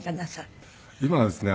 今はですね